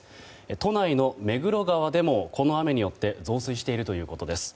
都内の目黒川でもこの雨によって増水しているということです。